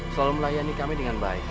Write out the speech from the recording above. selalu melayani kami dengan baik